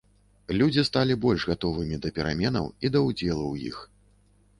Людзі сталі больш гатовымі да пераменаў і да ўдзелу ў іх.